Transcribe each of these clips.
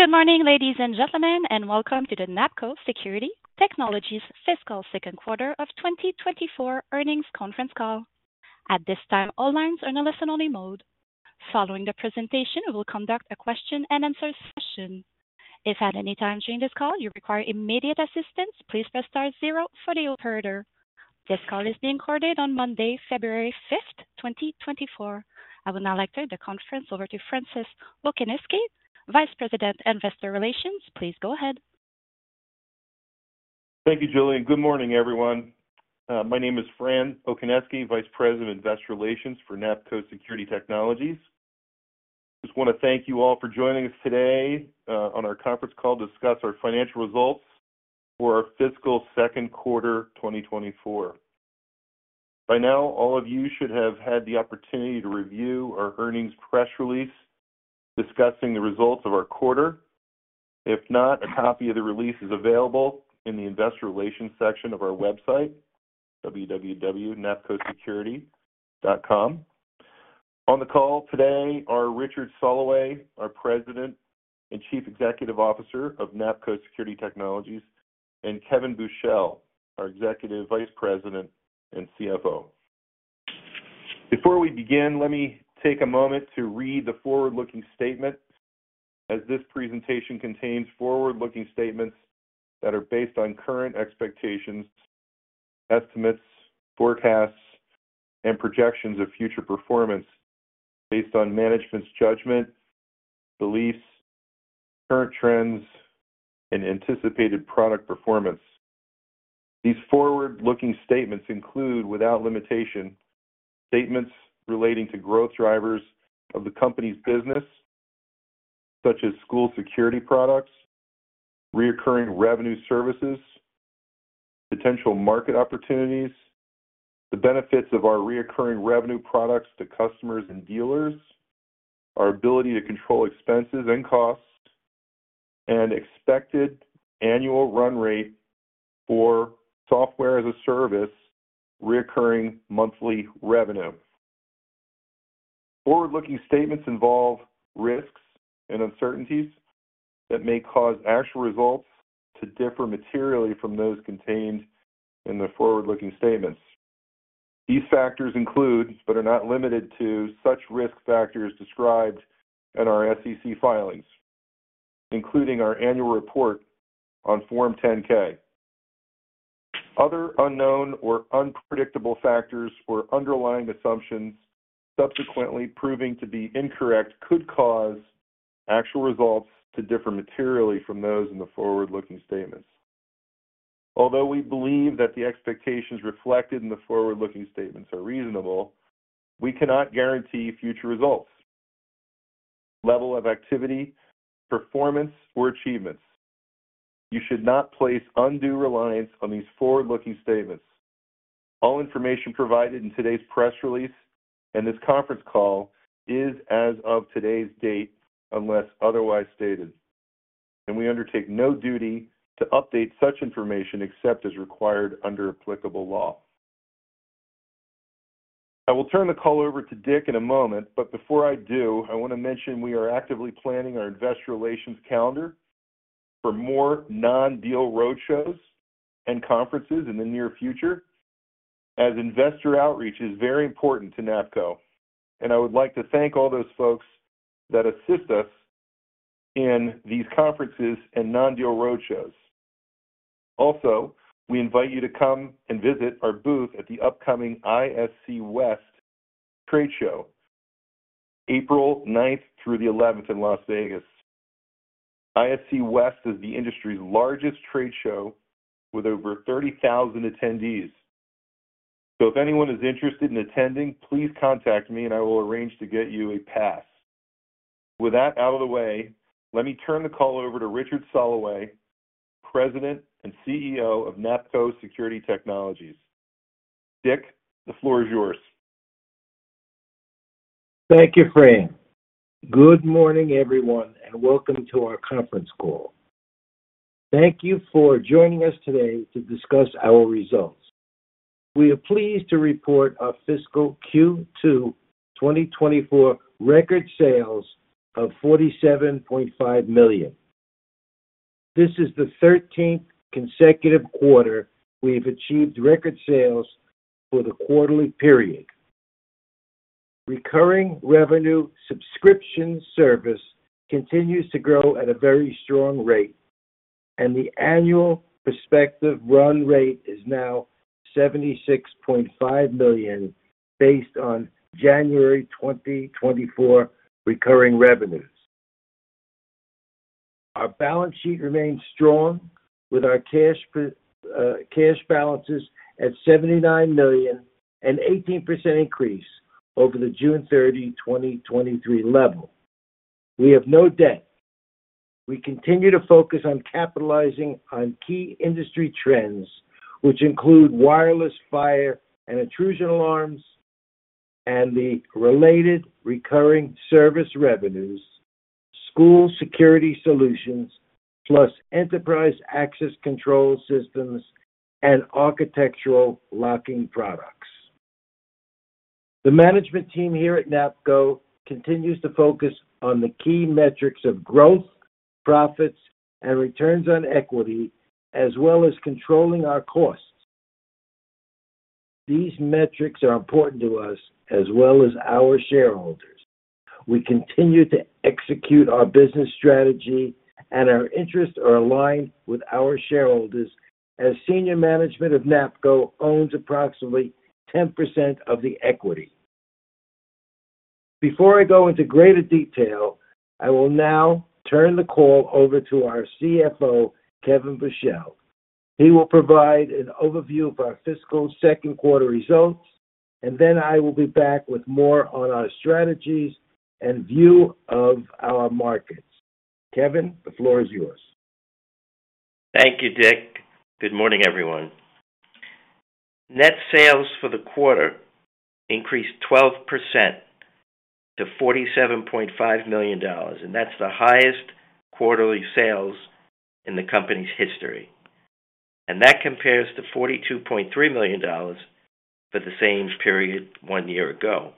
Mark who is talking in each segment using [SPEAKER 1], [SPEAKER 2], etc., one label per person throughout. [SPEAKER 1] Good morning, ladies and gentlemen, and welcome to the NAPCO Security Technologies Fiscal Second Quarter of 2024 earnings conference call. At this time, all lines are in a listen-only mode. Following the presentation, we will conduct a question and answer session. If at any time during this call you require immediate assistance, please press star zero for the operator. This call is being recorded on Monday, February 5th, 2024. I will now hand over the conference over to Francis Okoniewski, Vice President, Investor Relations. Please go ahead.
[SPEAKER 2] Thank you, Julian. Good morning, everyone. My name is Francis Okoniewski, Vice President, Investor Relations for NAPCO Security Technologies. Just want to thank you all for joining us today on our conference call to discuss our financial results for our fiscal second quarter, 2024. By now, all of you should have had the opportunity to review our earnings press release discussing the results of our quarter. If not, a copy of the release is available in the Investor Relations section of our website, www.napcosecurity.com. On the call today are Richard Soloway, our President and Chief Executive Officer of NAPCO Security Technologies, and Kevin Buchel, our Executive Vice President and CFO. Before we begin, let me take a moment to read the forward-looking statement, as this presentation contains forward-looking statements that are based on current expectations, estimates, forecasts, and projections of future performance based on management's judgment, beliefs, current trends, and anticipated product performance. These forward-looking statements include, without limitation, statements relating to growth drivers of the company's business, such as school security products, recurring revenue services, potential market opportunities, the benefits of our recurring revenue products to customers and dealers, our ability to control expenses and costs, and expected annual run rate for software as a service, recurring monthly revenue. Forward-looking statements involve risks and uncertainties that may cause actual results to differ materially from those contained in the forward-looking statements. These factors include, but are not limited to, such risk factors described in our SEC filings, including our annual report on Form 10-K. Other unknown or unpredictable factors or underlying assumptions subsequently proving to be incorrect, could cause actual results to differ materially from those in the forward-looking statements. Although we believe that the expectations reflected in the forward-looking statements are reasonable, we cannot guarantee future results, level of activity, performance, or achievements. You should not place undue reliance on these forward-looking statements. All information provided in today's press release and this conference call is as of today's date, unless otherwise stated, and we undertake no duty to update such information except as required under applicable law. I will turn the call over to Dick in a moment, but before I do, I want to mention we are actively planning our investor relations calendar for more non-deal roadshows and conferences in the near future, as investor outreach is very important to NAPCO, and I would like to thank all those folks that assist us in these conferences and non-deal roadshows. Also, we invite you to come and visit our booth at the upcoming ISC West trade show, April 9th through the 11th in Las Vegas. ISC West is the industry's largest trade show with over 30,000 attendees. So if anyone is interested in attending, please contact me and I will arrange to get you a pass. With that out of the way, let me turn the call over to Richard Soloway, President and CEO of NAPCO Security Technologies. Dick, the floor is yours.
[SPEAKER 3] Thank you, Fran. Good morning, everyone, and welcome to our conference call. Thank you for joining us today to discuss our results. We are pleased to report our fiscal Q2 2024 record sales of $47.5 million. This is the 13th consecutive quarter we've achieved record sales for the quarterly period. Recurring revenue subscription service continues to grow at a very strong rate, and the annual prospective run rate is now $76.5 million, based on January 2024 recurring revenues. Our balance sheet remains strong, with our cash per, cash balances at $79 million, an 18% increase over the June 30, 2023 level. We have no debt. We continue to focus on capitalizing on key industry trends, which include wireless, fire, and intrusion alarms, and the related recurring service revenues, school security solutions, plus enterprise access control systems and architectural locking products. The management team here at NAPCO continues to focus on the key metrics of growth, profits, and returns on equity, as well as controlling our costs. These metrics are important to us as well as our shareholders. We continue to execute our business strategy, and our interests are aligned with our shareholders as senior management of NAPCO owns approximately 10% of the equity. Before I go into greater detail, I will now turn the call over to our CFO, Kevin Buchel. He will provide an overview of our fiscal second quarter results, and then I will be back with more on our strategies and view of our markets. Kevin, the floor is yours.
[SPEAKER 4] Thank you, Dick. Good morning, everyone. Net sales for the quarter increased 12% to $47.5 million, and that's the highest quarterly sales in the company's history. And that compares to $42.3 million for the same period one year ago.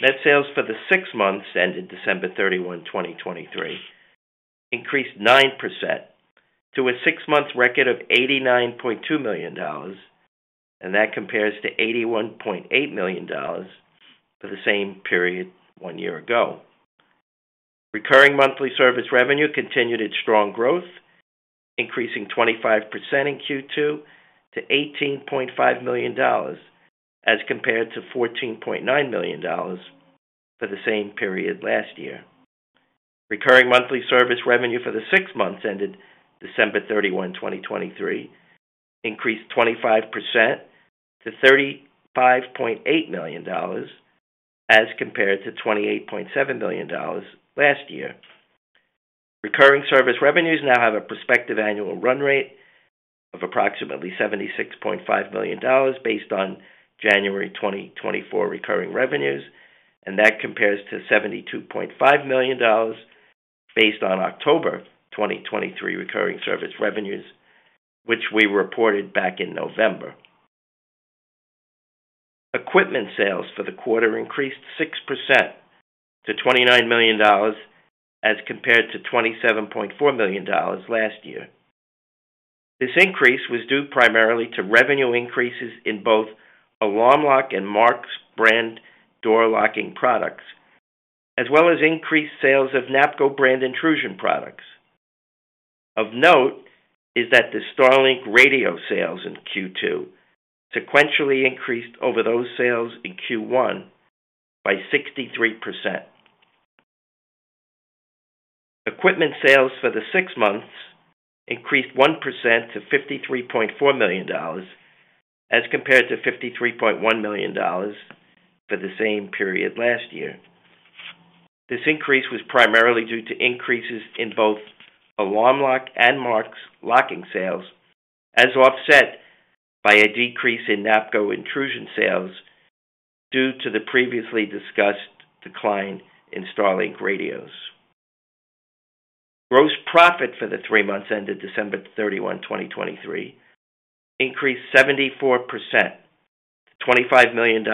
[SPEAKER 4] Net sales for the six months ended December 31, 2023, increased 9% to a six-month record of $89.2 million, and that compares to $81.8 million for the same period one year ago. Recurring monthly service revenue continued its strong growth, increasing 25% in Q2 to $18.5 million, as compared to $14.9 million for the same period last year. Recurring monthly service revenue for the six months ended December 31, 2023, increased 25% to $35.8 million, as compared to $28.7 million last year. Recurring service revenues now have a prospective annual run rate of approximately $76.5 million, based on January 2024 recurring revenues, and that compares to $72.5 million based on October 2023 recurring service revenues, which we reported back in November. Equipment sales for the quarter increased 6% to $29 million, as compared to $27.4 million last year. This increase was due primarily to revenue increases in both Alarm Lock and Marks brand door locking products, as well as increased sales of NAPCO brand intrusion products. Of note is that the StarLink radio sales in Q2 sequentially increased over those sales in Q1 by 63%. Equipment sales for the six months increased 1% to $53.4 million, as compared to $53.1 million for the same period last year. This increase was primarily due to increases in both Alarm Lock and Marks locking sales, as offset by a decrease in NAPCO intrusion sales due to the previously discussed decline in StarLink radios. Gross profit for the three months ended December 31, 2023, increased 74% to $25 million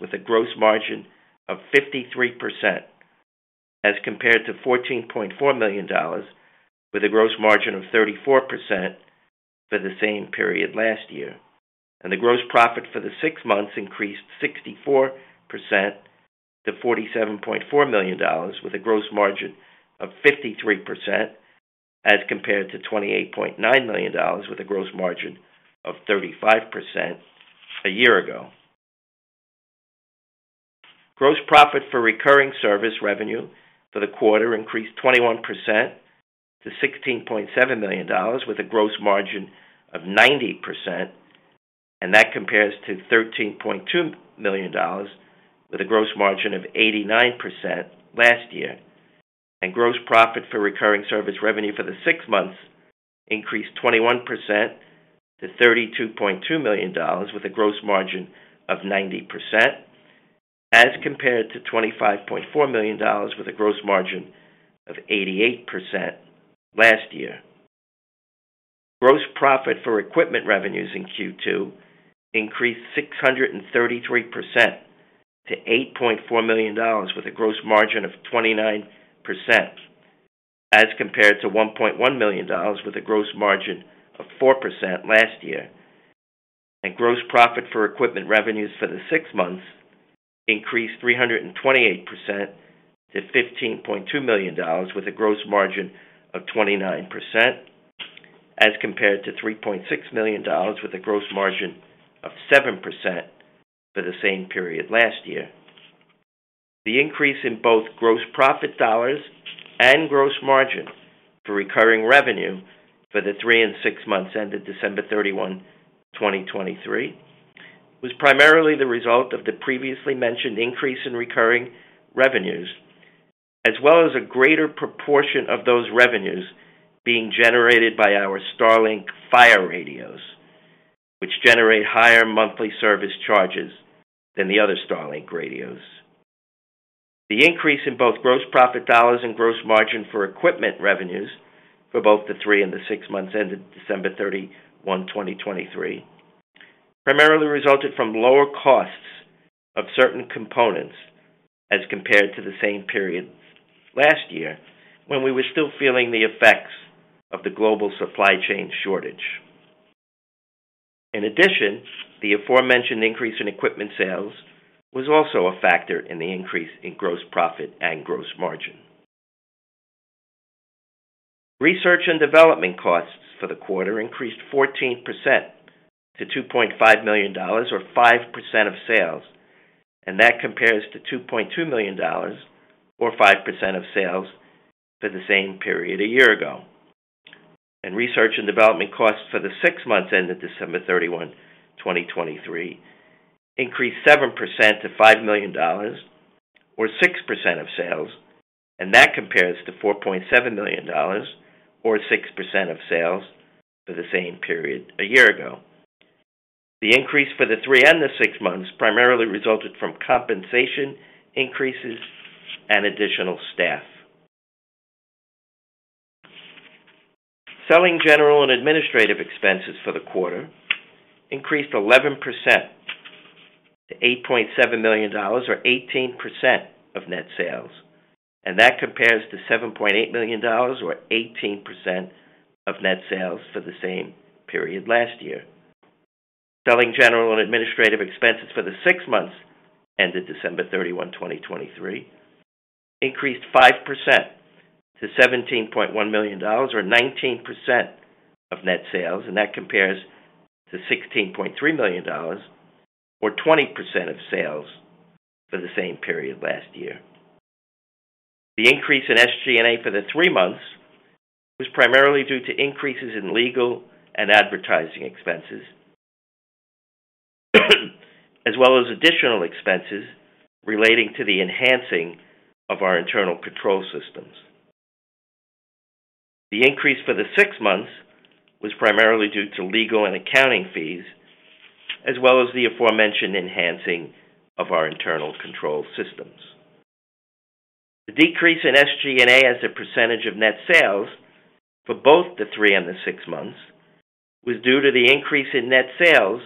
[SPEAKER 4] with a gross margin of 53%, as compared to $14.4 million with a gross margin of 34% for the same period last year. The gross profit for the six months increased 64% to $47.4 million with a gross margin of 53%, as compared to $28.9 million with a gross margin of 35% a year ago. Gross profit for recurring service revenue for the quarter increased 21% to $16.7 million, with a gross margin of 90%, and that compares to $13.2 million, with a gross margin of 89% last year. Gross profit for recurring service revenue for the six months increased 21% to $32.2 million, with a gross margin of 90%, as compared to $25.4 million, with a gross margin of 88% last year. Gross profit for equipment revenues in Q2 increased 633% to $8.4 million, with a gross margin of 29%, as compared to $1.1 million, with a gross margin of 4% last year. Gross profit for equipment revenues for the six months increased 328% to $15.2 million, with a gross margin of 29%, as compared to $3.6 million, with a gross margin of 7% for the same period last year. The increase in both gross profit dollars and gross margin for recurring revenue for the three and six months ended December 31, 2023, was primarily the result of the previously mentioned increase in recurring revenues, as well as a greater proportion of those revenues being generated by our StarLink Fire Radios, which generate higher monthly service charges than the other StarLink radios. The increase in both gross profit dollars and gross margin for equipment revenues for both the three and the six months ended December 31, 2023, primarily resulted from lower costs of certain components as compared to the same period last year, when we were still feeling the effects of the global supply chain shortage. In addition, the aforementioned increase in equipment sales was also a factor in the increase in gross profit and gross margin. Research and development costs for the quarter increased 14% to $2.5 million, or 5% of sales, and that compares to $2.2 million, or 5% of sales, for the same period a year ago. Research and development costs for the six months ended December 31, 2023, increased 7% to $5 million or 6% of sales, and that compares to $4.7 million or 6% of sales for the same period a year ago. The increase for the three and the six months primarily resulted from compensation increases and additional staff. Selling general and administrative expenses for the quarter increased 11% to $8.7 million, or 18% of net sales, and that compares to $7.8 million or 18% of net sales for the same period last year. Selling, general, and administrative expenses for the six months ended December 31, 2023, increased 5% to $17.1 million or 19% of net sales, and that compares to $16.3 million or 20% of sales for the same period last year. The increase in SG&A for the three months was primarily due to increases in legal and advertising expenses, as well as additional expenses relating to the enhancing of our internal control systems. The increase for the six months was primarily due to legal and accounting fees, as well as the aforementioned enhancing of our internal control systems. The decrease in SG&A as a percentage of net sales for both the three and the six months was due to the increase in net sales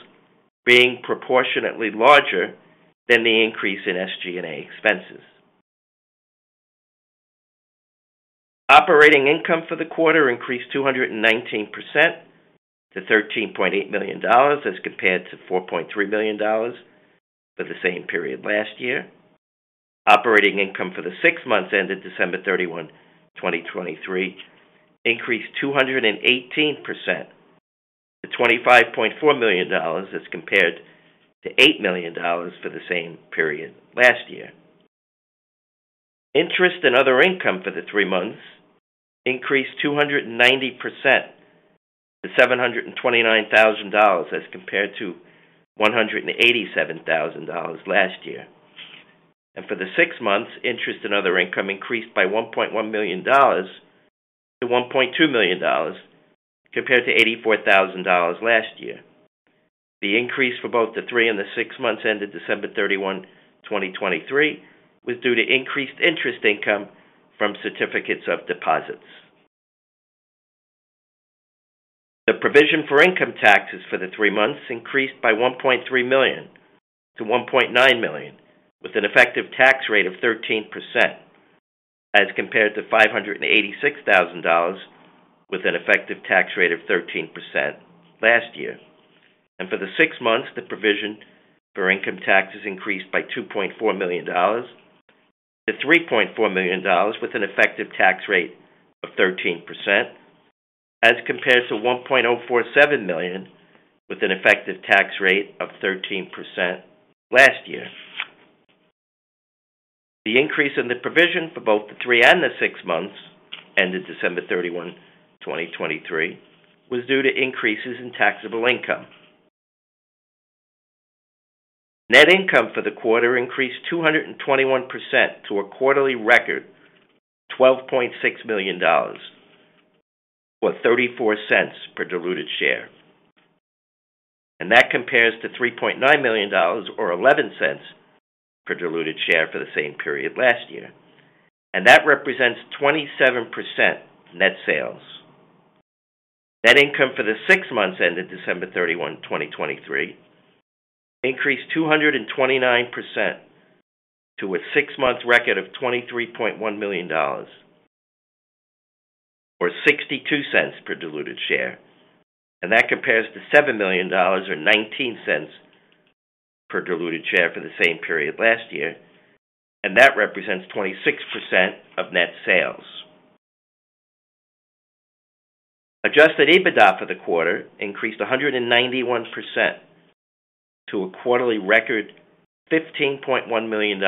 [SPEAKER 4] being proportionately larger than the increase in SG&A expenses. Operating income for the quarter increased 219% to $13.8 million, as compared to $4.3 million for the same period last year. Operating income for the six months ended December 31, 2023, increased 218% to $25.4 million, as compared to $8 million for the same period last year. Interest and other income for the three months increased 290% to $729,000, as compared to $187,000 last year. For the six months, interest and other income increased by $1.1 million to $1.2 million, compared to $84,000 last year. The increase for both the three and the six months ended December 31, 2023, was due to increased interest income from certificates of deposit. The provision for income taxes for the three months increased by $1.3 million to $1.9 million, with an effective tax rate of 13%, as compared to $586,000, with an effective tax rate of 13% last year. For the six months, the provision for income taxes increased by $2.4 million to $3.4 million, with an effective tax rate of 13%, as compared to $1.47 million, with an effective tax rate of 13% last year. The increase in the provision for both the three and the six months ended December 31, 2023, was due to increases in taxable income. Net income for the quarter increased 221% to a quarterly record of $12.6 million, or 34 cents per diluted share, and that compares to $3.9 million or 11 cents per diluted share for the same period last year. That represents 27% net sales. Net income for the six months ended December 31, 2023, increased 229% to a six-month record of $23.1 million, or 62 cents per diluted share, and that compares to $7 million or 19 cents per diluted share for the same period last year. That represents 26% of net sales. Adjusted EBITDA for the quarter increased 191% to a quarterly record, $15.1 million,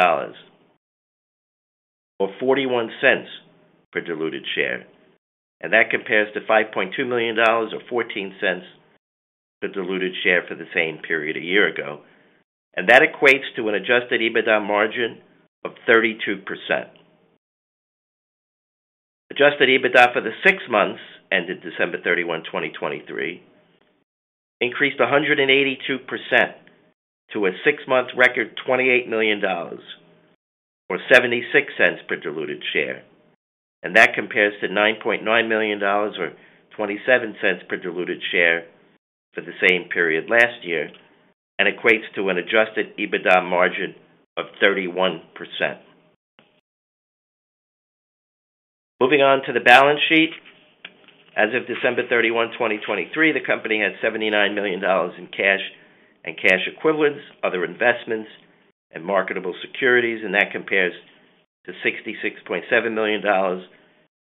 [SPEAKER 4] or $0.41 per diluted share, and that compares to $5.2 million or $0.14 per diluted share for the same period a year ago. That equates to an adjusted EBITDA margin of 32%. Adjusted EBITDA for the six months ended December 31, 2023, increased 182% to a six-month record, $28 million, or $0.76 per diluted share, and that compares to $9.9 million or $0.27 per diluted share for the same period last year, and equates to an adjusted EBITDA margin of 31%. Moving on to the balance sheet. As of December 31, 2023, the company had $79 million in cash and cash equivalents, other investments, and marketable securities, and that compares to $66.7 million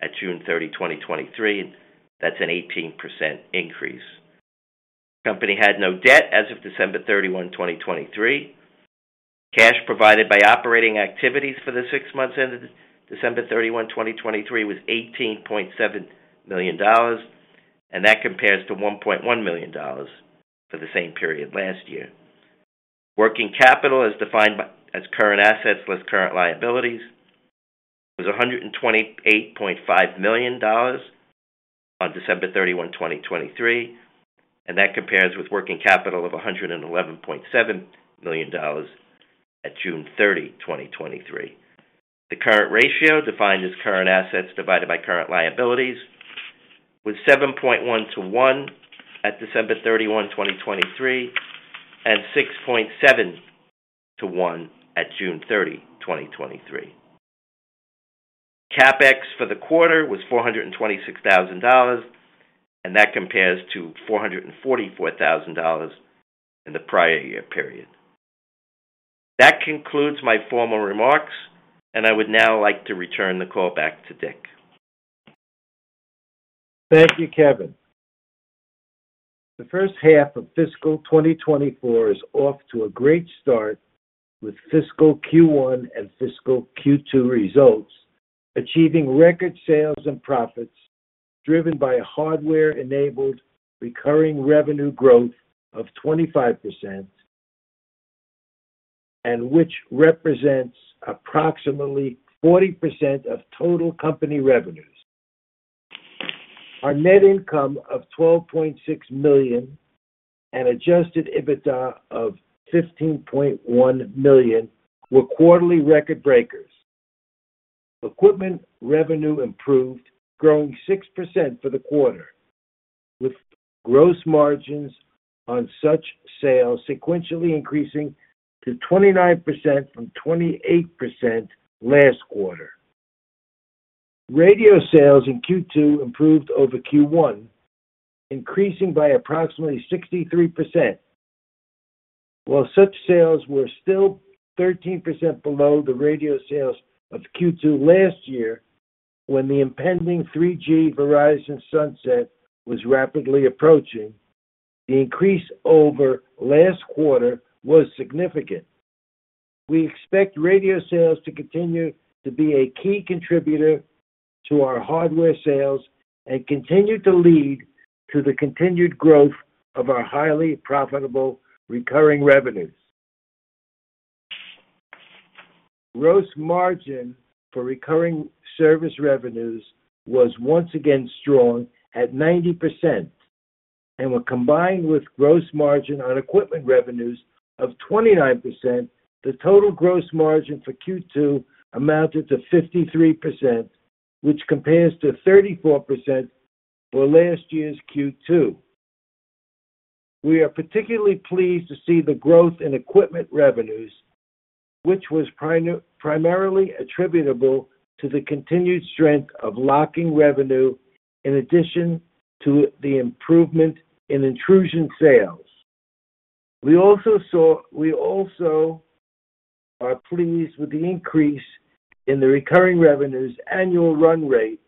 [SPEAKER 4] at June 30, 2023. That's an 18% increase. The company had no debt as of December 31, 2023. Cash provided by operating activities for the six months ended December 31, 2023, was $18.7 million, and that compares to $1.1 million for the same period last year. Working capital, as defined by current assets, less current liabilities, was $128.5 million on December 31, 2023, and that compares with working capital of $111.7 million at June 30, 2023. The current ratio, defined as current assets divided by current liabilities, was 7.1 to 1 at December 31, 2023, and 6.7 to 1 at June 30, 2023. CapEx for the quarter was $426,000, and that compares to $444,000 in the prior year period. That concludes my formal remarks, and I would now like to return the call back to Dick.
[SPEAKER 3] Thank you, Kevin. The first half of fiscal 2024 is off to a great start, with fiscal Q1 and fiscal Q2 results achieving record sales and profits driven by a hardware-enabled recurring revenue growth of 25%, and which represents approximately 40% of total company revenues. Our net income of $12.6 million and adjusted EBITDA of $15.1 million were quarterly record breakers. Equipment revenue improved, growing 6% for the quarter, with gross margins on such sales sequentially increasing to 29% from 28% last quarter. Radio sales in Q2 improved over Q1, increasing by approximately 63%. While such sales were still 13% below the radio sales of Q2 last year, when the impending 3G Verizon sunset was rapidly approaching, the increase over last quarter was significant. We expect radio sales to continue to be a key contributor to our hardware sales and continue to lead to the continued growth of our highly profitable recurring revenues. Gross margin for recurring service revenues was once again strong at 90%, and when combined with gross margin on equipment revenues of 29%, the total gross margin for Q2 amounted to 53%, which compares to 34% for last year's Q2. We are particularly pleased to see the growth in equipment revenues, which was primarily attributable to the continued strength of locking revenue in addition to the improvement in intrusion sales. We also are pleased with the increase in the recurring revenues annual run rate,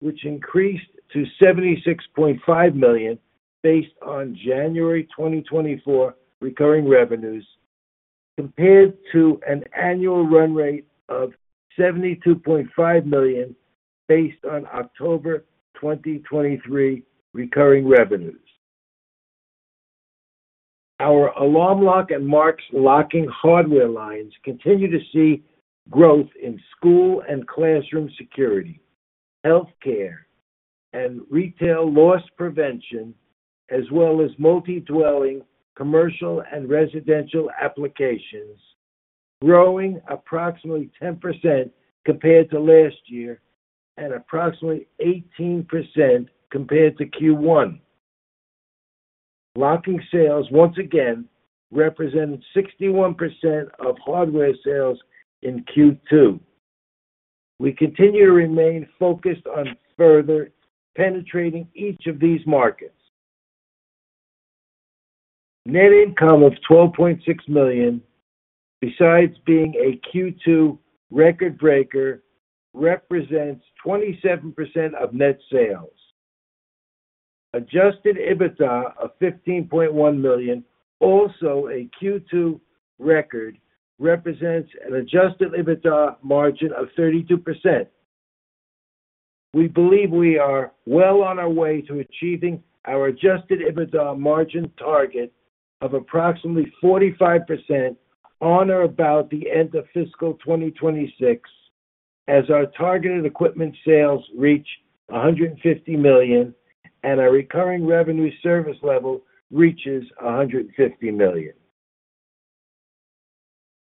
[SPEAKER 3] which increased to $76.5 million based on January 2024 recurring revenues, compared to an annual run rate of $72.5 million based on October 2023 recurring revenues. Our Alarm Lock and Marks locking hardware lines continue to see growth in school and classroom security, healthcare, and retail loss prevention, as well as multi-dwelling, commercial, and residential applications, growing approximately 10% compared to last year and approximately 18% compared to Q1. Locking sales once again represented 61% of hardware sales in Q2. We continue to remain focused on further penetrating each of these markets. Net income of $12.6 million, besides being a Q2 record breaker, represents 27% of net sales. Adjusted EBITDA of $15.1 million, also a Q2 record, represents an adjusted EBITDA margin of 32%. We believe we are well on our way to achieving our adjusted EBITDA margin target of approximately 45% on or about the end of fiscal 2026, as our targeted equipment sales reach $150 million, and our recurring revenue service level reaches $150 million.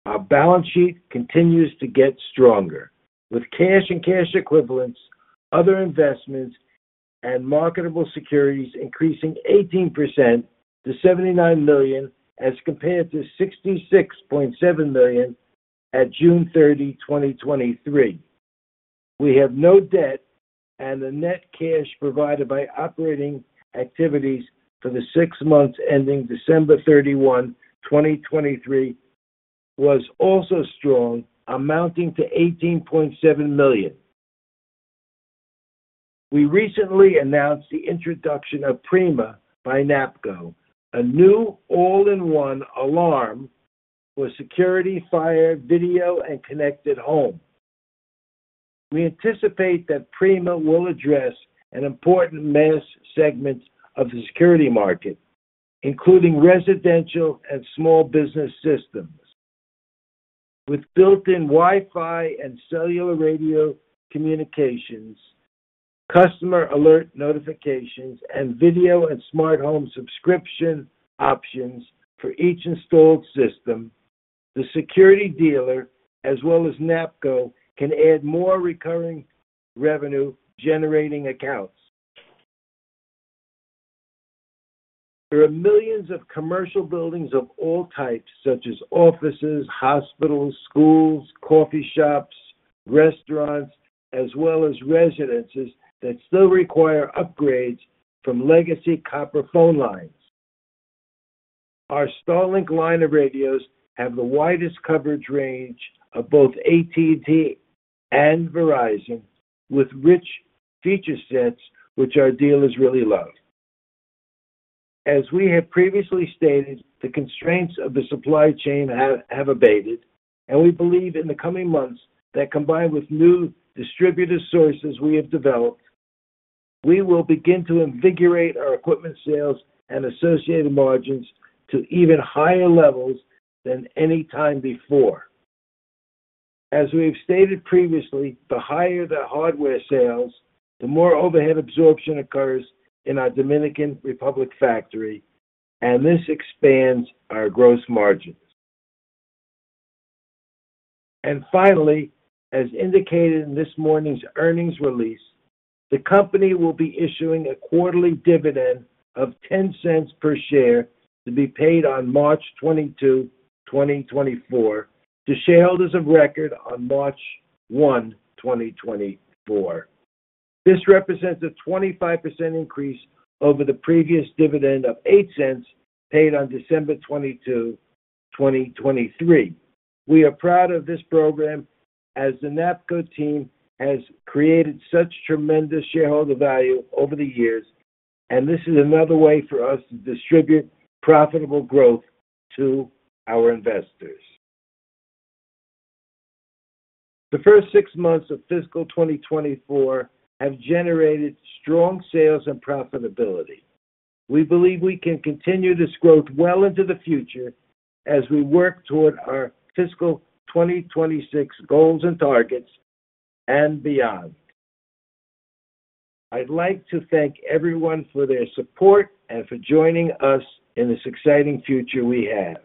[SPEAKER 3] Our balance sheet continues to get stronger, with cash and cash equivalents, other investments, and marketable securities increasing 18% to $79 million, as compared to $66.7 million at June 30, 2023. We have no debt, and the net cash provided by operating activities for the six months ending December 31, 2023, was also strong, amounting to $18.7 million. We recently announced the introduction of Prima by NAPCO, a new all-in-one alarm for security, fire, video, and connected home. We anticipate that Prima will address an important mass segment of the security market, including residential and small business systems. With built-in Wi-Fi and cellular radio communications, customer alert notifications, and video and smart home subscription options for each installed system, the security dealer, as well as NAPCO, can add more recurring revenue generating accounts. There are millions of commercial buildings of all types, such as offices, hospitals, schools, coffee shops, restaurants, as well as residences that still require upgrades from Legacy Copper phone lines. Our StarLink line of radios have the widest coverage range of both AT&T and Verizon, with rich feature sets, which our dealers really love. As we have previously stated, the constraints of the supply chain have abated, and we believe in the coming months that combined with new distributor sources we have developed, we will begin to invigorate our equipment sales and associated margins to even higher levels than any time before. As we've stated previously, the higher the hardware sales, the more overhead absorption occurs in our Dominican Republic factory, and this expands our gross margins. And finally, as indicated in this morning's earnings release, the company will be issuing a quarterly dividend of $0.10 per share to be paid on March 22, 2024, to shareholders of record on March 1, 2024. This represents a 25% increase over the previous dividend of $0.08, paid on December 22, 2023. We are proud of this program as the NAPCO team has created such tremendous shareholder value over the years, and this is another way for us to distribute profitable growth to our investors. The first six months of fiscal 2024 have generated strong sales and profitability. We believe we can continue this growth well into the future as we work toward our fiscal 2026 goals and targets, and beyond. I'd like to thank everyone for their support and for joining us in this exciting future we have.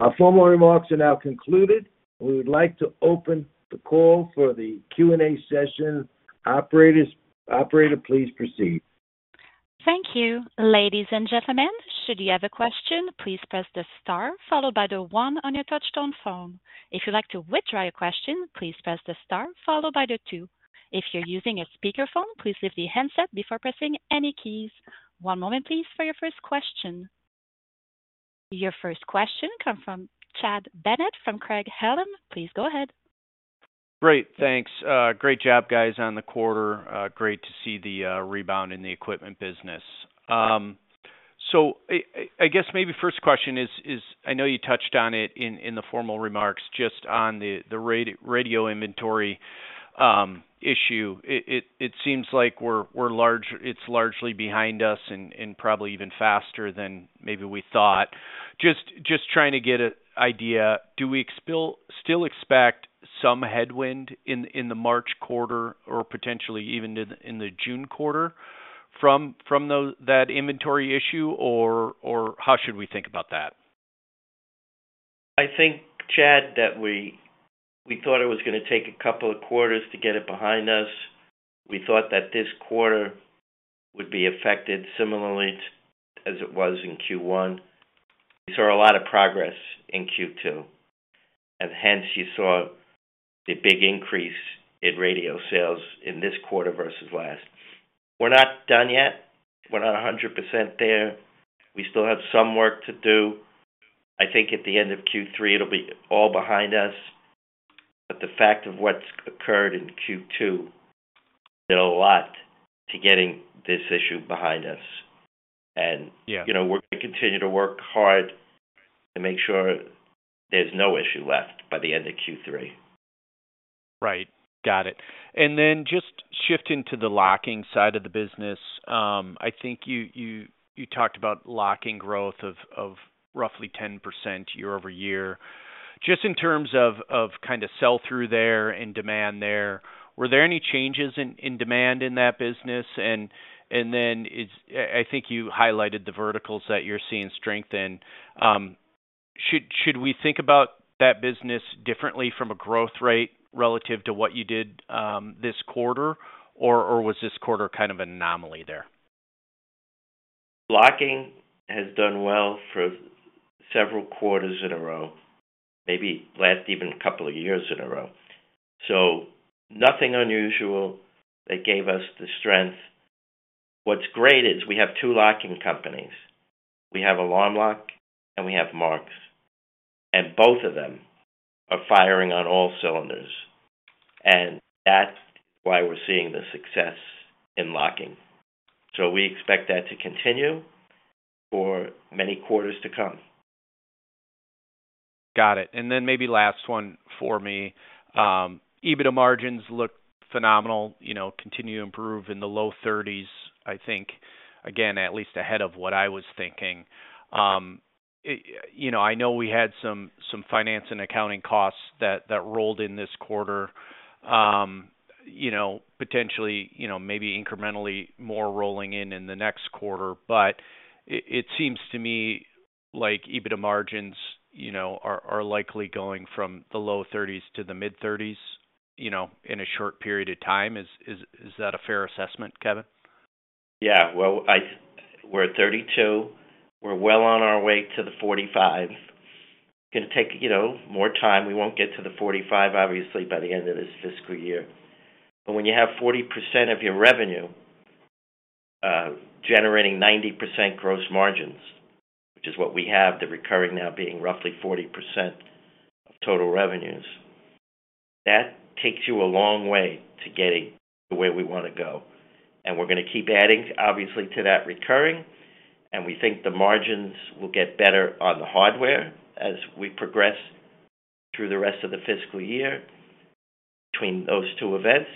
[SPEAKER 3] Our formal remarks are now concluded. We would like to open the call for the Q&A session. Operators, operator, please proceed.
[SPEAKER 1] Thank you. Ladies and gentlemen, should you have a question, please press the star followed by the one on your touchtone phone. If you'd like to withdraw your question, please press the star followed by the two. If you're using a speakerphone, please lift the handset before pressing any keys. One moment, please, for your first question. Your first question come from Chad Bennett, from Craig-Hallum. Please go ahead.
[SPEAKER 5] Great. Thanks. Great job, guys, on the quarter. Great to see the rebound in the equipment business. So I guess maybe first question is I know you touched on it in the formal remarks, just on the radio inventory issue. It seems like it's largely behind us and probably even faster than maybe we thought. Just trying to get an idea, do we still expect some headwind in the March quarter or potentially even in the June quarter from that inventory issue, or how should we think about that?
[SPEAKER 4] I think, Chad, that we thought it was gonna take a couple of quarters to get it behind us. We thought that this quarter would be affected similarly to as it was in Q1. We saw a lot of progress in Q2, and hence you saw the big increase in radio sales in this quarter versus last. We're not done yet. We're not 100% there. We still have some work to do. I think at the end of Q3, it'll be all behind us, but the fact of what's occurred in Q2 did a lot to getting this issue behind us. And-
[SPEAKER 5] Yeah.
[SPEAKER 4] You know, we're gonna continue to work hard to make sure there's no issue left by the end of Q3.
[SPEAKER 5] Right. Got it. And then just shifting to the locking side of the business, I think you talked about locking growth of roughly 10% year-over-year. Just in terms of kind of sell-through there and demand there, were there any changes in demand in that business? And then it's. I think you highlighted the verticals that you're seeing strength in. Should we think about that business differently from a growth rate relative to what you did this quarter? Or was this quarter kind of an anomaly there?
[SPEAKER 4] Locking has done well for several quarters in a row, maybe last even a couple of years in a row. So nothing unusual that gave us the strength. What's great is we have two locking companies. We have Alarm Lock and we have Marks, and both of them are firing on all cylinders, and that's why we're seeing the success in locking. So we expect that to continue for many quarters to come.
[SPEAKER 5] Got it. And then maybe last one for me. EBITDA margins look phenomenal, you know, continue to improve in the low 30s%. I think, again, at least ahead of what I was thinking. It, you know, I know we had some finance and accounting costs that rolled in this quarter. You know, potentially, you know, maybe incrementally more rolling in in the next quarter. But it seems to me like EBITDA margins, you know, are likely going from the low 30s% to the mid-30s%, you know, in a short period of time. Is that a fair assessment, Kevin?
[SPEAKER 4] Yeah, well, I-- we're at 32. We're well on our way to the 45. It's going to take, you know, more time. We won't get to the 45, obviously, by the end of this fiscal year. But when you have 40% of your revenue generating 90% gross margins, which is what we have, the recurring now being roughly 40% of total revenues, that takes you a long way to getting to where we want to go. And we're going to keep adding, obviously, to that recurring, and we think the margins will get better on the hardware as we progress through the rest of the fiscal year. Between those two events,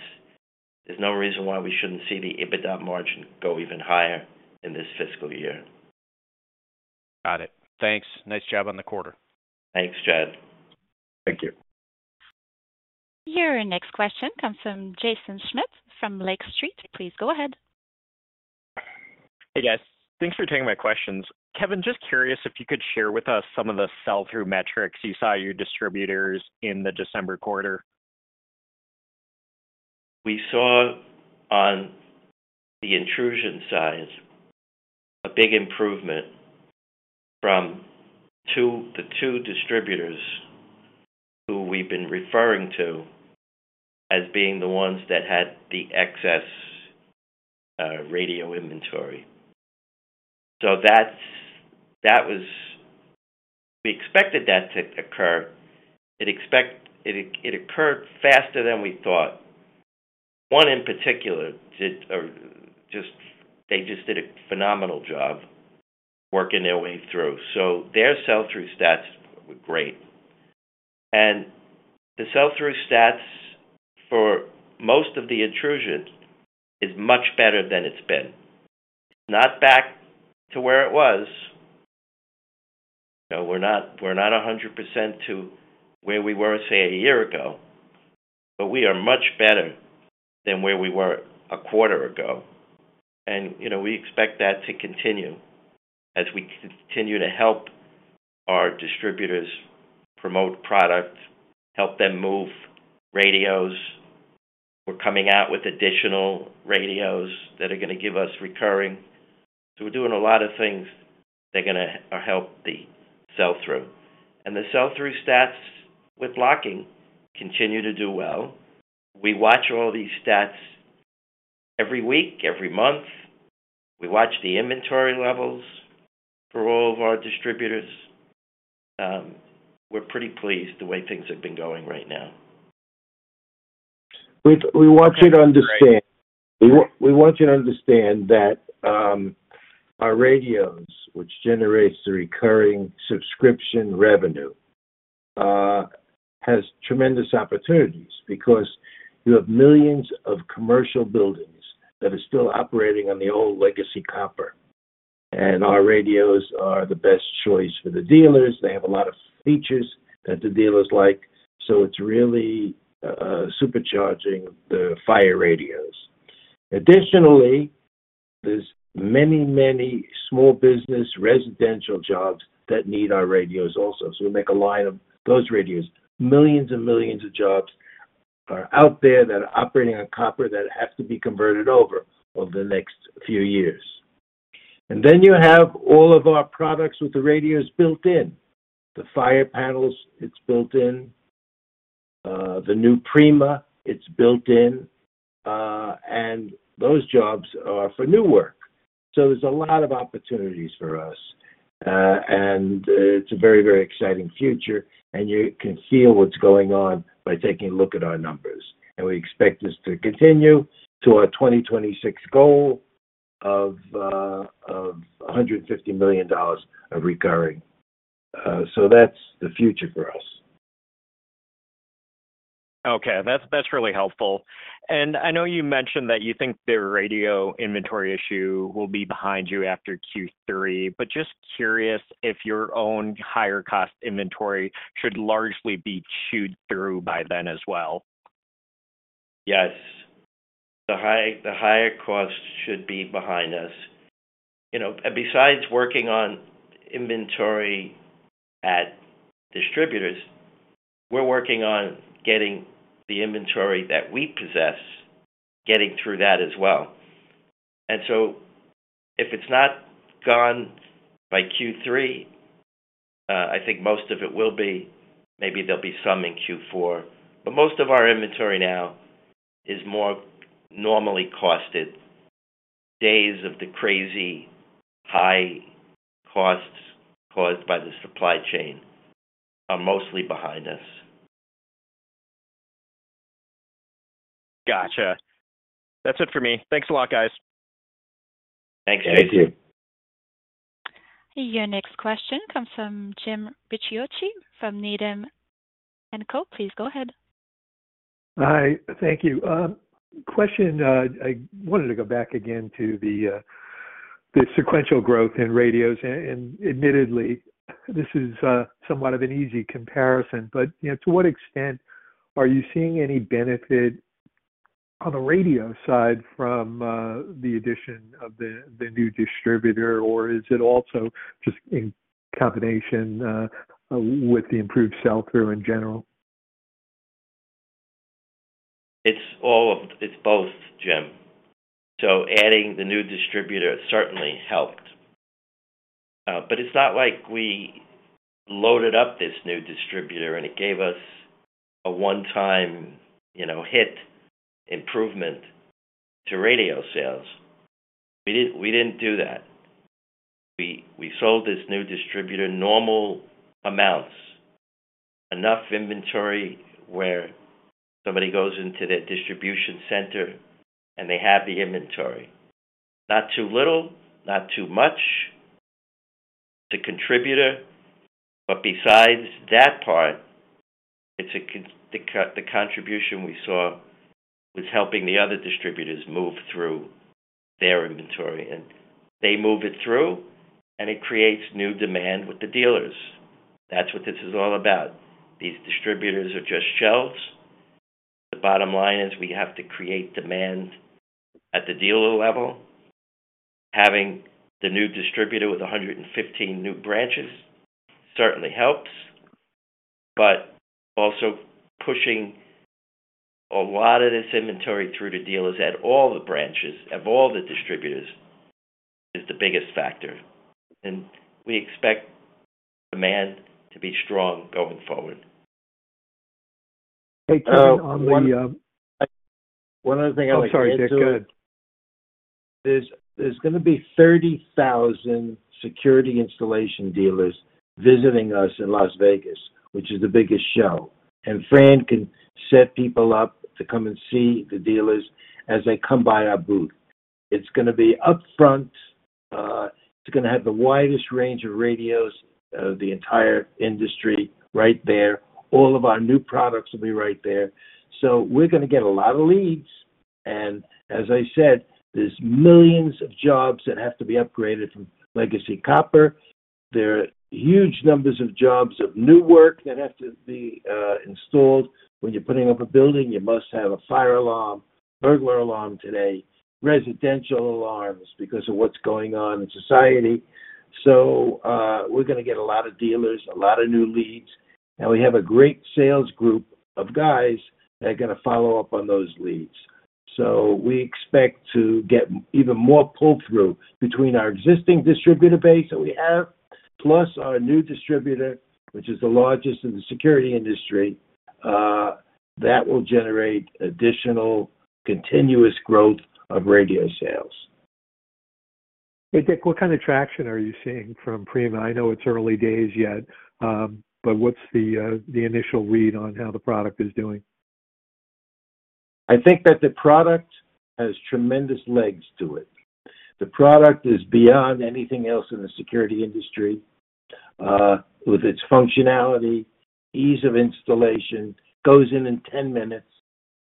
[SPEAKER 4] there's no reason why we shouldn't see the EBITDA margin go even higher in this fiscal year.
[SPEAKER 5] Got it. Thanks. Nice job on the quarter.
[SPEAKER 4] Thanks, Chad.
[SPEAKER 3] Thank you.
[SPEAKER 1] Your next question comes from Jaeson Schmidt from Lake Street. Please go ahead.
[SPEAKER 6] Hey, guys. Thanks for taking my questions. Kevin, just curious if you could share with us some of the sell-through metrics you saw your distributors in the December quarter?
[SPEAKER 4] We saw on the intrusion side a big improvement from the two distributors who we've been referring to as being the ones that had the excess radio inventory. So that's what we expected to occur. It occurred faster than we thought. One in particular did just—they just did a phenomenal job working their way through. So their sell-through stats were great. And the sell-through stats for most of the intrusion is much better than it's been. Not back to where it was. You know, we're not, we're not 100% to where we were, say, a year ago, but we are much better than where we were a quarter ago. And, you know, we expect that to continue as we continue to help our distributors promote product, help them move radios. We're coming out with additional radios that are going to give us recurring. So we're doing a lot of things that are gonna help the sell-through. And the sell-through stats with locking continue to do well. We watch all these stats every week, every month. We watch the inventory levels for all of our distributors. We're pretty pleased the way things have been going right now.
[SPEAKER 3] We want you to understand that our radios, which generates the recurring subscription revenue, has tremendous opportunities because you have millions of commercial buildings that are still operating on the old Legacy Copper, and our radios are the best choice for the dealers. They have a lot of features that the dealers like, so it's really supercharging the fire radios. Additionally, there's many, many small business residential jobs that need our radios also. So we make a line of those radios. Millions and millions of jobs are out there that are operating on copper that have to be converted over the next few years. And then you have all of our products with the radios built in. The fire panels, it's built in, the new Prima, it's built in, and those jobs are for new work. So there's a lot of opportunities for us, and it's a very, very exciting future, and you can see what's going on by taking a look at our numbers. And we expect this to continue to our 2026 goal of $150 million of recurring.... so that's the future for us.
[SPEAKER 6] Okay, that's, that's really helpful. And I know you mentioned that you think the radio inventory issue will be behind you after Q3, but just curious if your own higher cost inventory should largely be chewed through by then as well?
[SPEAKER 4] Yes. The higher costs should be behind us. You know, and besides working on inventory at distributors, we're working on getting the inventory that we possess, getting through that as well. And so if it's not gone by Q3, I think most of it will be, maybe there'll be some in Q4. But most of our inventory now is more normally costed. Days of the crazy high costs caused by the supply chain are mostly behind us.
[SPEAKER 6] Gotcha. That's it for me. Thanks a lot, guys.
[SPEAKER 4] Thanks.
[SPEAKER 3] Thank you.
[SPEAKER 1] Your next question comes from Jim Ricchiuti from Needham & Company. Please go ahead.
[SPEAKER 7] Hi, thank you. Question, I wanted to go back again to the sequential growth in radios, and admittedly, this is somewhat of an easy comparison. But, you know, to what extent are you seeing any benefit on the radio side from the addition of the new distributor, or is it also just in combination with the improved sell-through in general?
[SPEAKER 4] It's both, Jim. So adding the new distributor certainly helped. But it's not like we loaded up this new distributor, and it gave us a one-time, you know, hit improvement to radio sales. We didn't, we didn't do that. We, we sold this new distributor normal amounts, enough inventory where somebody goes into their distribution center, and they have the inventory. Not too little, not too much, it's a contributor, but besides that part, the contribution we saw was helping the other distributors move through their inventory, and they move it through, and it creates new demand with the dealers. That's what this is all about. These distributors are just shelves. The bottom line is we have to create demand at the dealer level. Having the new distributor with 115 new branches certainly helps, but also pushing a lot of this inventory through the dealers at all the branches, of all the distributors, is the biggest factor, and we expect demand to be strong going forward.
[SPEAKER 3] Hey, Kevin, on the-
[SPEAKER 4] One other thing I would like to- Oh, sorry, Dick, go ahead.
[SPEAKER 3] There's gonna be 30,000 security installation dealers visiting us in Las Vegas, which is the biggest show, and Fran can set people up to come and see the dealers as they come by our booth. It's gonna be up front. It's gonna have the widest range of radios of the entire industry right there. All of our new products will be right there. So we're gonna get a lot of leads, and as I said, there's millions of jobs that have to be upgraded from Legacy Copper. There are huge numbers of jobs of new work that have to be installed. When you're putting up a building, you must have a fire alarm, burglar alarm today, residential alarms, because of what's going on in society. So, we're gonna get a lot of dealers, a lot of new leads, and we have a great sales group of guys that are gonna follow up on those leads. So we expect to get even more pull-through between our existing distributor base that we have, plus our new distributor, which is the largest in the security industry. That will generate additional continuous growth of radio sales.
[SPEAKER 7] Hey, Dick, what kind of traction are you seeing from Prima? I know it's early days yet, but what's the initial read on how the product is doing?
[SPEAKER 3] I think that the product has tremendous legs to it. The product is beyond anything else in the security industry, with its functionality, ease of installation, goes in in 10 minutes.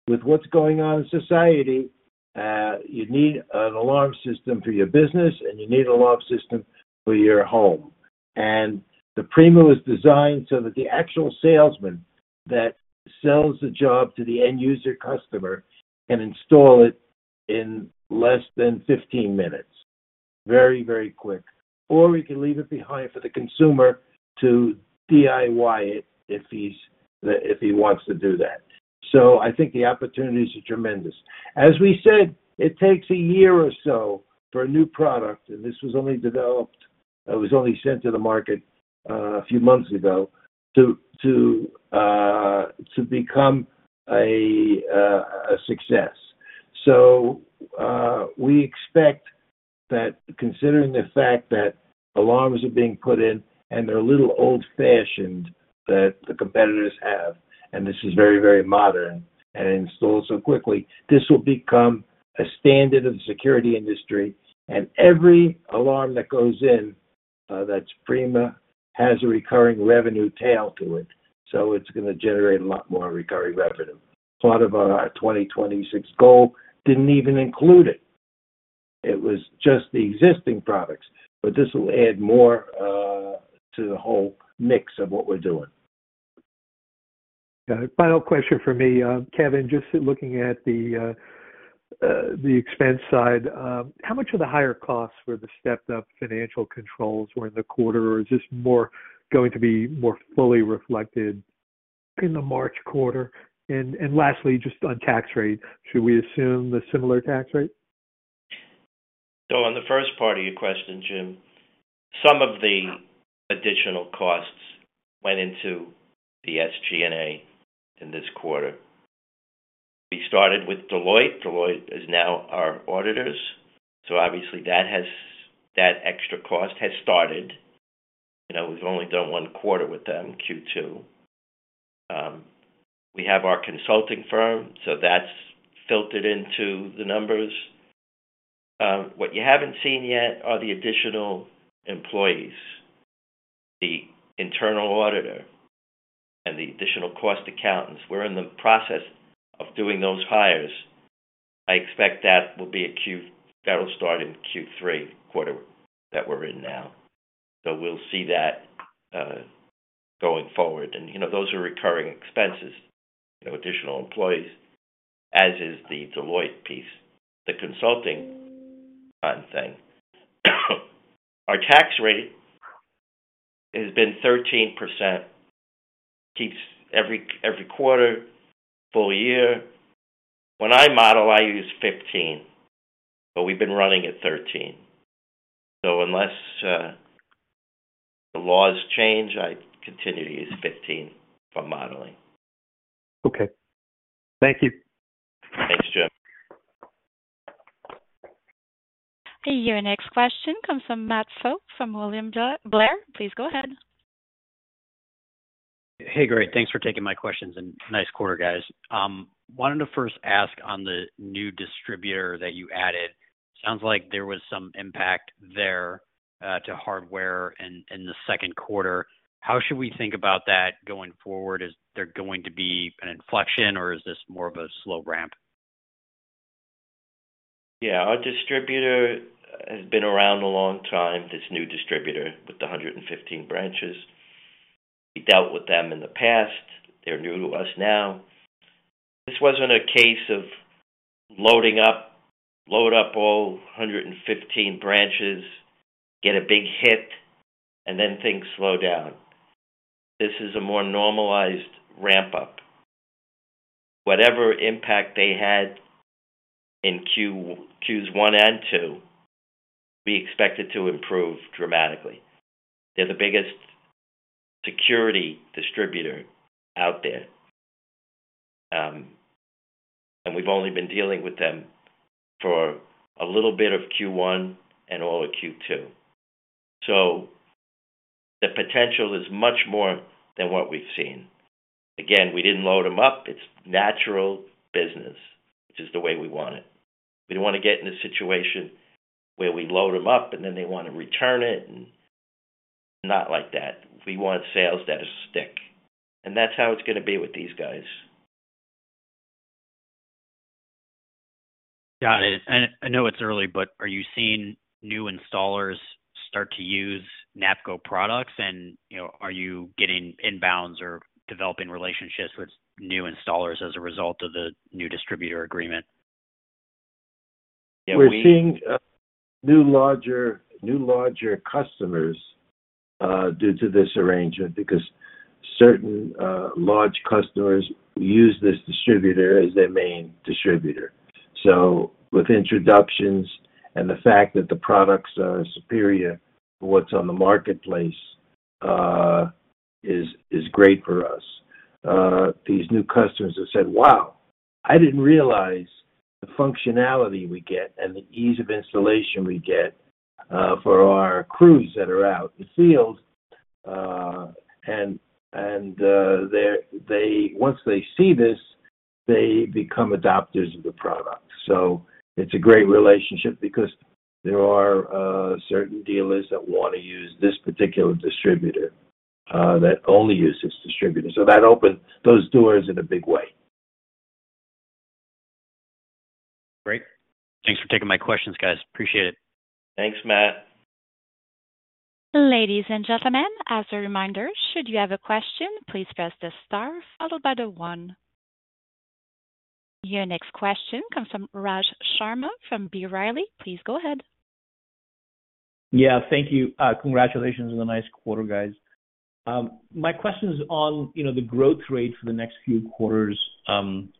[SPEAKER 3] With what's going on in society, you need an alarm system for your business, and you need alarm system for your home. The Prima was designed so that the actual salesman that sells the job to the end user customer can install it in less than 15 minutes. Very, very quick. Or we can leave it behind for the consumer to DIY it, if he's, if he wants to do that. So I think the opportunities are tremendous. As we said, it takes a year or so for a new product, and this was only developed, it was only sent to the market a few months ago, to become a success. So, we expect that considering the fact that alarms are being put in and they're a little old-fashioned that the competitors have, and this is very, very modern and installed so quickly. This will become a standard of the security industry, and every alarm that goes in, that's Prima, has a recurring revenue tail to it, so it's gonna generate a lot more recurring revenue. Part of our 2026 goal didn't even include it. It was just the existing products. But this will add more to the whole mix of what we're doing.
[SPEAKER 7] Yeah. Final question for me, Kevin. Just looking at the expense side, how much of the higher costs were the stepped-up financial controls were in the quarter, or is this more going to be more fully reflected in the March quarter? And lastly, just on tax rate, should we assume a similar tax rate?
[SPEAKER 4] On the first part of your question, Jim, some of the-
[SPEAKER 7] Yeah...
[SPEAKER 4] additional costs went into the SG&A in this quarter. We started with Deloitte. Deloitte is now our auditors, so obviously, that has, that extra cost has started. You know, we've only done one quarter with them, Q2. We have our consulting firm, so that's filtered into the numbers. What you haven't seen yet are the additional employees, the internal auditor, and the additional cost accountants. We're in the process of doing those hires. I expect that'll start in Q3, the quarter that we're in now. So we'll see that going forward. You know, those are recurring expenses, no additional employees, as is the Deloitte piece, the consulting kind of thing. Our tax rate has been 13%, every quarter, full year. When I model, I use 15, but we've been running at 13. Unless the laws change, I continue to use 15 for modeling.
[SPEAKER 7] Okay. Thank you.
[SPEAKER 4] Thanks, Jim.
[SPEAKER 1] Your next question comes from Matt Pfau from William Blair. Please go ahead.
[SPEAKER 8] Hey, great. Thanks for taking my questions, and nice quarter, guys. Wanted to first ask on the new distributor that you added, sounds like there was some impact there, to hardware in the second quarter. How should we think about that going forward? Is there going to be an inflection, or is this more of a slow ramp?
[SPEAKER 4] Yeah, our distributor has been around a long time, this new distributor, with the 115 branches. We dealt with them in the past. They're new to us now. This wasn't a case of loading up, load up all 115 branches, get a big hit, and then things slow down. This is a more normalized ramp-up. Whatever impact they had in Q1 and Q2, we expect it to improve dramatically. They're the biggest security distributor out there. And we've only been dealing with them for a little bit of Q1 and all of Q2. So the potential is much more than what we've seen. Again, we didn't load them up. It's natural business, which is the way we want it. We don't want to get in a situation where we load them up, and then they want to return it. Not like that. We want sales that stick, and that's how it's gonna be with these guys.
[SPEAKER 8] Got it. I know it's early, but are you seeing new installers start to use NAPCO products? You know, are you getting inbounds or developing relationships with new installers as a result of the new distributor agreement?
[SPEAKER 3] We're seeing new, larger, new larger customers due to this arrangement because certain large customers use this distributor as their main distributor. So with introductions and the fact that the products are superior to what's on the marketplace is great for us. These new customers have said, "Wow, I didn't realize the functionality we get and the ease of installation we get for our crews that are out in the field." They're, they -- once they see this, they become adopters of the product. So it's a great relationship because there are certain dealers that want to use this particular distributor that only use this distributor. So that opens those doors in a big way.
[SPEAKER 8] Great. Thanks for taking my questions, guys. Appreciate it.
[SPEAKER 4] Thanks, Matt.
[SPEAKER 1] Ladies and gentlemen, as a reminder, should you have a question, please press the star followed by the one. Your next question comes from Raj Sharma from B. Riley. Please go ahead.
[SPEAKER 9] Yeah, thank you. Congratulations on the nice quarter, guys. My question is on, you know, the growth rate for the next few quarters,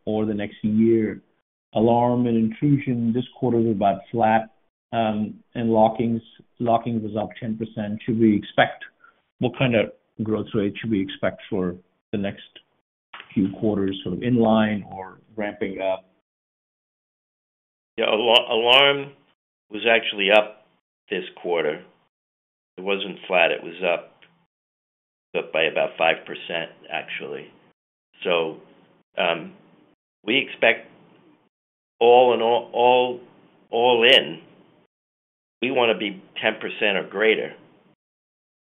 [SPEAKER 9] or the next year. Alarm and intrusion this quarter were about flat, and locking was up 10%. Should we expect- what kind of growth rate should we expect for the next few quarters, sort of in line or ramping up?
[SPEAKER 4] Yeah, Alarm was actually up this quarter. It wasn't flat, it was up by about 5%, actually. So, we expect all in all, we wanna be 10% or greater.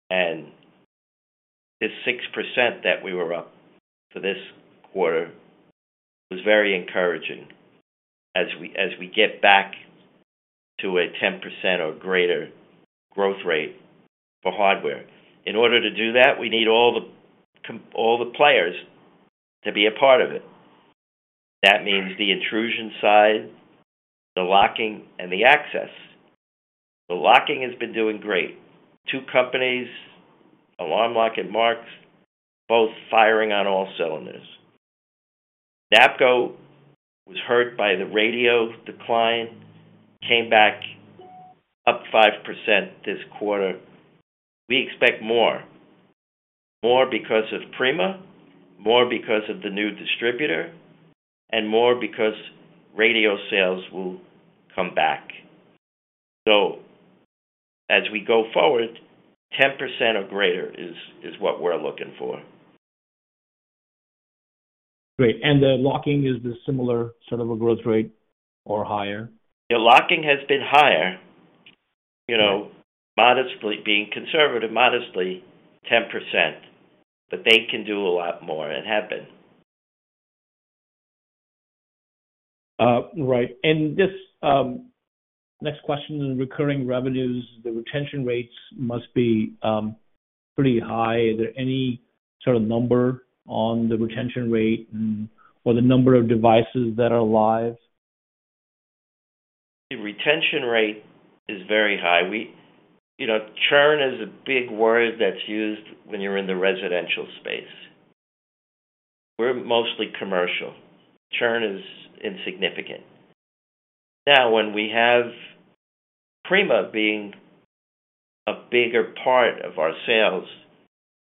[SPEAKER 4] And this 6% that we were up for this quarter was very encouraging as we get back to a 10% or greater growth rate for hardware. In order to do that, we need all the players to be a part of it. That means the intrusion side, the locking and the access. The locking has been doing great. Two companies, Alarm Lock and Marks, both firing on all cylinders. NAPCO was hurt by the radio decline, came back up 5% this quarter. We expect more. More because of Prima, more because of the new distributor, and more because radio sales will come back. As we go forward, 10% or greater is what we're looking for.
[SPEAKER 9] Great, and the locking is the similar sort of a growth rate or higher?
[SPEAKER 4] The locking has been higher, you know, modestly being conservative, modestly 10%, but they can do a lot more and have been.
[SPEAKER 9] Right. And this next question, in recurring revenues, the retention rates must be pretty high. Is there any sort of number on the retention rate and or the number of devices that are live?
[SPEAKER 4] The retention rate is very high. We, you know, churn is a big word that's used when you're in the residential space. We're mostly commercial. Churn is insignificant. Now, when we have Prima being a bigger part of our sales,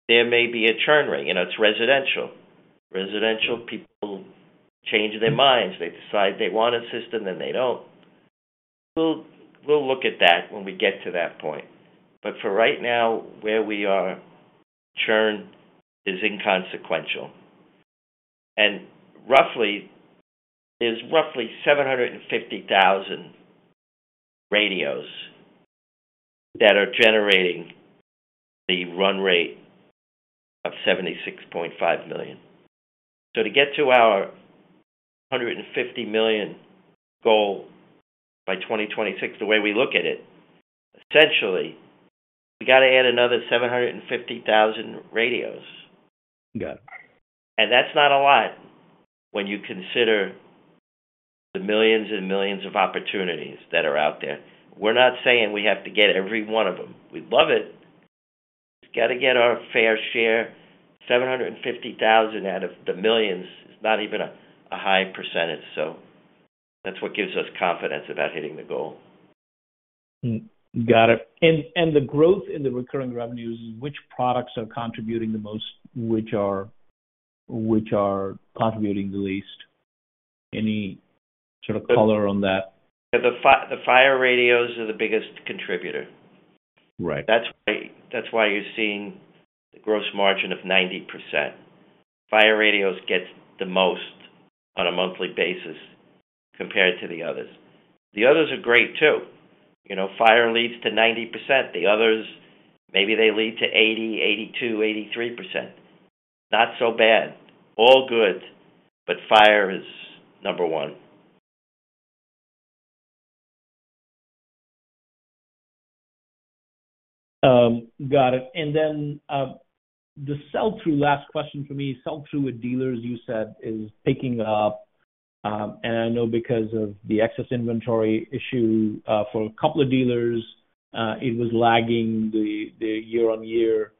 [SPEAKER 4] there may be a churn rate, and it's residential. Residential people change their minds, they decide they want a system, then they don't. We'll look at that when we get to that point, but for right now, where we are, churn is inconsequential. And roughly, there's roughly 750,000 radios that are generating the run rate of $76.5 million. So to get to our $150 million goal by 2026, the way we look at it, essentially, we got to add another 750,000 radios.
[SPEAKER 9] Got it.
[SPEAKER 4] And that's not a lot when you consider the millions and millions of opportunities that are out there. We're not saying we have to get every one of them. We'd love it. We got to get our fair share. 750,000 out of the millions is not even a high percentage, so that's what gives us confidence about hitting the goal.
[SPEAKER 9] Got it. And the growth in the recurring revenues, which products are contributing the most, which are contributing the least? Any sort of color on that?
[SPEAKER 4] The Fire Radios are the biggest contributor.
[SPEAKER 9] Right.
[SPEAKER 4] That's why, that's why you're seeing the gross margin of 90%. Fire radios get the most on a monthly basis compared to the others. The others are great, too. You know, fire leads to 90%. The others, maybe they lead to 80%, 82%, 83%. Not so bad. All good, but fire is number one.
[SPEAKER 9] Got it. And then, the sell-through, last question for me. Sell-through with dealers, you said, is picking up, and I know because of the excess inventory issue, for a couple of dealers, it was lagging the year-on-year.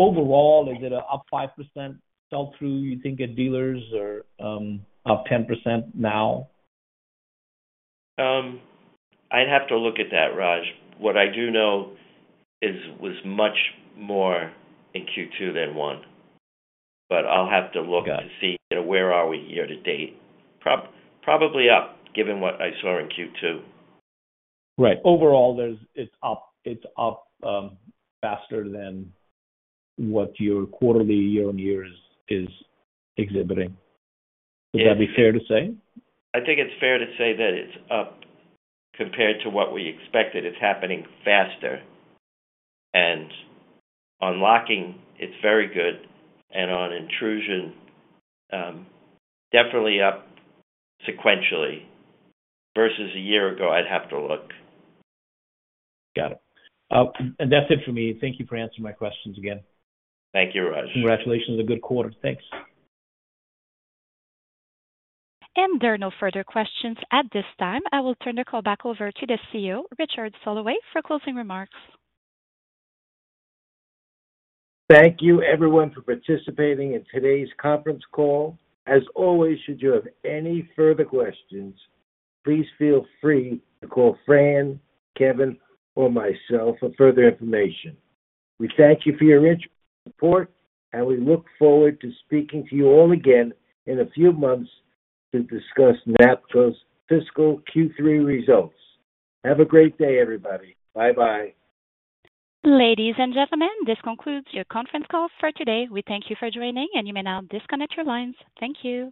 [SPEAKER 9] Overall, is it up 5% sell-through, you think at dealers or, up 10% now?
[SPEAKER 4] I'd have to look at that, Raj. What I do know was much more in Q2 than one, but I'll have to look-
[SPEAKER 9] Got it.
[SPEAKER 4] To see where we are year to date. Probably up, given what I saw in Q2.
[SPEAKER 9] Right. Overall, there's... It's up, it's up, faster than what your quarterly year-on-year is exhibiting.
[SPEAKER 4] Yeah.
[SPEAKER 9] Would that be fair to say?
[SPEAKER 4] I think it's fair to say that it's up compared to what we expected. It's happening faster, and on locking, it's very good, and on intrusion, definitely up sequentially versus a year ago, I'd have to look.
[SPEAKER 9] Got it. That's it for me. Thank you for answering my questions again.
[SPEAKER 4] Thank you, Raj.
[SPEAKER 9] Congratulations on a good quarter. Thanks.
[SPEAKER 1] There are no further questions at this time. I will turn the call back over to the CEO, Richard Soloway, for closing remarks.
[SPEAKER 3] Thank you, everyone, for participating in today's conference call. As always, should you have any further questions, please feel free to call Fran, Kevin, or myself for further information. We thank you for your interest and support, and we look forward to speaking to you all again in a few months to discuss NAPCO's fiscal Q3 results. Have a great day, everybody. Bye-bye.
[SPEAKER 1] Ladies and gentlemen, this concludes your conference call for today. We thank you for joining, and you may now disconnect your lines. Thank you.